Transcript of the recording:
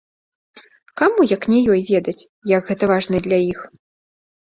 Каму, як не ёй, ведаць, як гэта важна для іх.